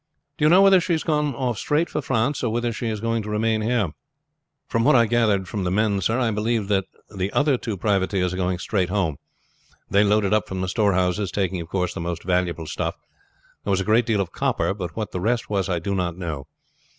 "Do you know whether she has gone off straight for France or whether she is going to remain here?" "From what I gathered from the men, sir, I believe the other two privateers are going straight home. They loaded up from the storehouses, taking, of course, the most valuable stuff. There was a great deal of copper, but what the rest was I do not know.